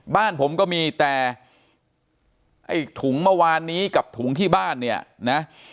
บ้านผมก็มีแต่ไอ้ถุงเมื่อวานนี้กับถุงที่บ้านเนี่ยนะ